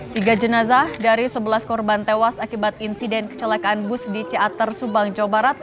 tiga jenazah dari sebelas korban tewas akibat insiden kecelakaan bus di ciater subang jawa barat